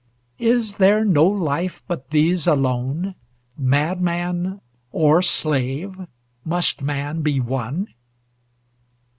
Is there no life, but these alone? Madman or slave, must man be one?